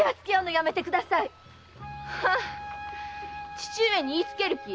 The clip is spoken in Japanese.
父上に言いつける気？